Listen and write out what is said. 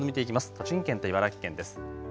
栃木県と茨城県です。